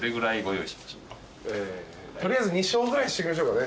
取りあえず２升ぐらいにしときましょうかね。